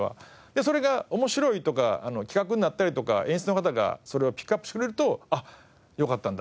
それが面白いとか企画になったりとか演出の方がそれをピックアップしてくれるとあっよかったんだ